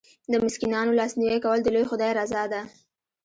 د مسکینانو لاسنیوی کول د لوی خدای رضا ده.